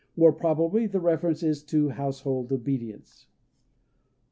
More probably the reference is to household obedience.